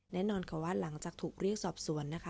แน่นอนค่ะว่าหลังจากถูกเรียกสอบสวนนะคะ